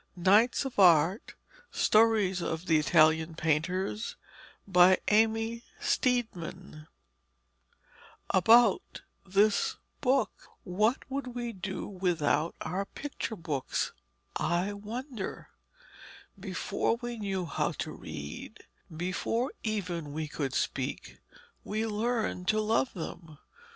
KNIGHTS OF ART STORIES OF THE ITALIAN PAINTERS BY AMY STEEDMAN AUTHOR OF 'IN GOD'S GARDEN' TO FRANCESCA ABOUT THIS BOOK What would we do without our picture books, I wonder? Before we knew how to read, before even we could speak, we had learned to love them.